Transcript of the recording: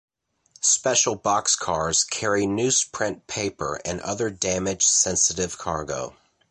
Special boxcars carry newsprint paper and other damage-sensitive cargo.